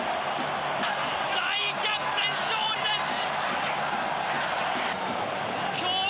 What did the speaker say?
大逆転勝利です！